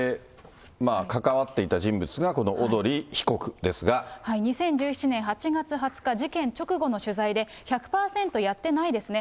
関わっていた人物が、２０１７年８月２０日、事件直後の取材で、１００％やってないですね。